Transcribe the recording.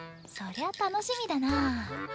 そりゃ楽しみだなぁ。